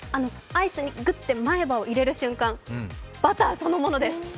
アイスにグッて前歯を入れる瞬間、バターそのものです。